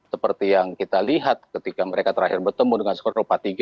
seperti yang kita lihat ketika mereka terakhir bertemu dengan skor rupa tiga